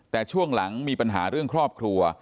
แต่ช่วงหลังมีปัญหาเรื่องครอบครัว